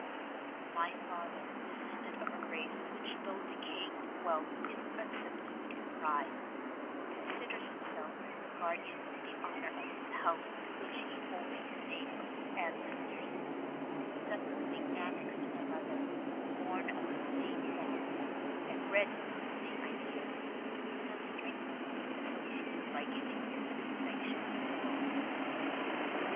My father, descended of a race which though decaying in wealth, is unsubdued in pride, considers himself as the guardian of the honour of his house, to which he holds the name of his ancestors inseparably annexed; my mother, born of the same family, and bred to the same ideas, has strengthened this opinion by giving it the sanction of her own.